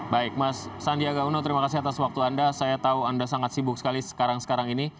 baik mas sandiaga uno terima kasih atas waktu anda saya tahu anda sangat sibuk sekali sekarang sekarang ini